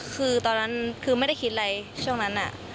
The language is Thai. คือตอนนั้นคือไม่ได้คิดอะไรช่วงนั้น